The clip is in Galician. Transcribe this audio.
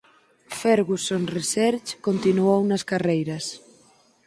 Ferguson Research continuou nas carreiras.